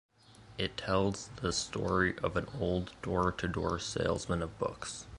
It tells the story of an old door-to-door salesman of books.